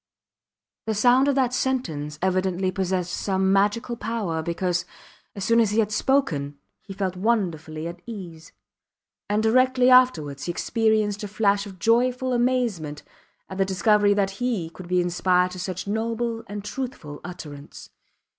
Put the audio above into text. The sound of that sentence evidently possessed some magical power, because, as soon as he had spoken, he felt wonderfully at ease; and directly afterwards he experienced a flash of joyful amazement at the discovery that he could be inspired to such noble and truthful utterance.